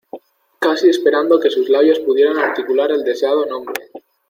Casi esperando que sus labios pudieran articular el deseado nombre.